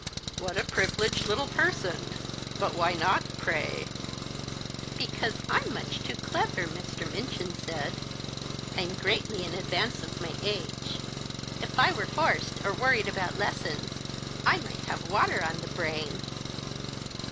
" What a privileged little person ! But why not, pray ?" Because I'm much too clever, Mr. Minchin said. I'm greatly in advance of my age. If I were forced or worried about lessons I might have water on the brain